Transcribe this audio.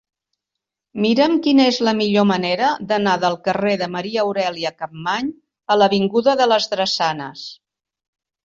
Mira'm quina és la millor manera d'anar del carrer de Maria Aurèlia Capmany a l'avinguda de les Drassanes.